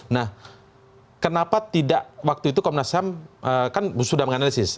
nah kenapa tidak waktu itu komnas ham kan sudah menganalisis